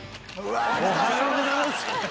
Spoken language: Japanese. おはようございます！